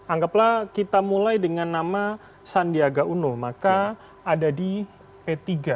anggaplah kita mulai dengan nama sandiaga uno maka ada di p tiga